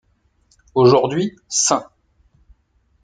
Aujourd'hui, St.